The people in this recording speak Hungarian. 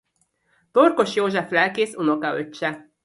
Torkos József lelkész unokaöccse.